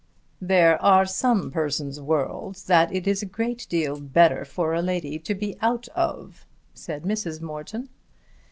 "There are some persons' worlds that it is a great deal better for a lady to be out of," said Mrs. Morton.